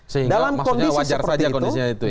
sehingga maksudnya wajar saja kondisinya itu ya